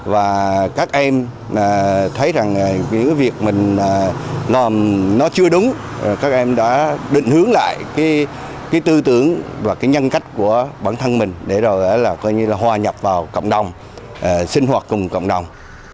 và các em thấy rằng cái việc mình làm nó chưa đúng các em đã định hướng lại cái tư tưởng và cái nhân cách của bản thân mình để rồi là coi như là hòa nhập vào cộng đồng sinh hoạt cùng cộng đồng